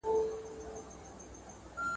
فشار د انسان زغم ازمېی.